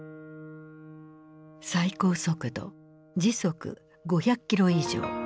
最高速度時速５００キロ以上。